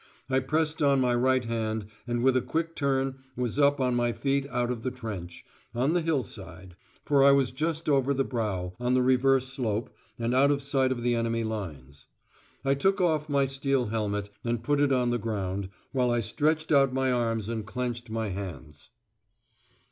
I pressed on my right hand and with a quick turn was up on my feet out of the trench, on the hill side; for I was just over the brow, on the reverse slope, and out of sight of the enemy lines. I took off my steel helmet and put it on the ground, while I stretched out my arms and clenched my hands.